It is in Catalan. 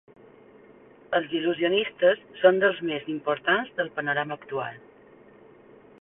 Els il·lusionistes són dels més importants del panorama actual.